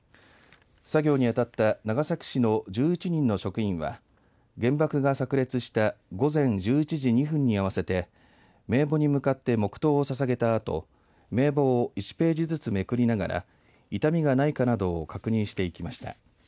作業にあたった長崎市の１１人の職員は原爆がさく裂した午前１１時２分に合わせて名簿に向かって黙とうをささげたあと名簿を１ページずつめくりながら傷みがないかなどを確認していきました。